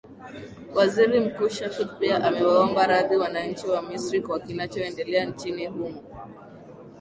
waziri mkuu shafik pia amewaomba radhi wananchi wa misri kwa kinachoendelea nchini humo